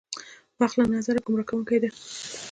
وخت له نظره ګمراه کوونکې ده.